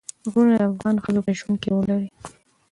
غرونه د افغان ښځو په ژوند کې رول لري.